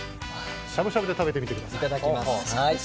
しゃぶしゃぶで食べてみてください。